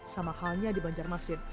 sama halnya di banjarmasin